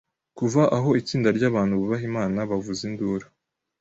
Kuva aho itsinda ryabantu bubaha Imana bavuza induru